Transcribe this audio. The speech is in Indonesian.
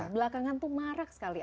belakangan itu marah sekali